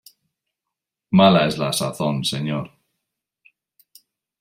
mala es la sazón, señor.